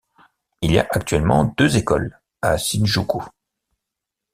Il y a actuellement deux écoles à Shinjuku.